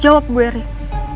jawab gue rik